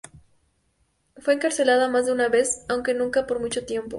Fue encarcelada más de una vez, aunque nunca por mucho tiempo.